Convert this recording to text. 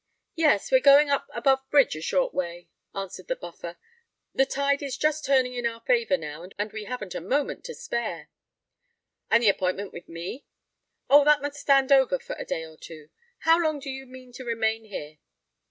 "Yes—we're going up above bridge a short way," answered the Buffer: "the tide is just turning in our favour now, and we haven't a moment to spare." "And the appointment with me?" "Oh! that must stand over for a day or two. How long do you mean to remain here?"